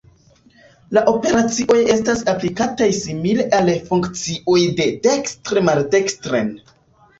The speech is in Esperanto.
La operacioj estas aplikataj simile al funkcioj de dekstre maldekstren.